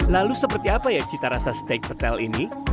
lalu seperti apa ya cita rasa steak petel ini